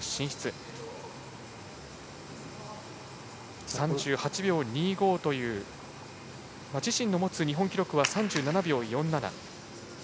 鈴木は３８秒２５という自身の持つ日本記録は３６秒４７。